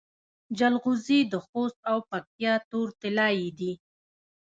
جلغوزي د خوست او پکتیا تور طلایی دي.